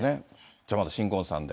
じゃあ、まだ新婚さんで。